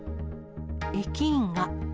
駅員が。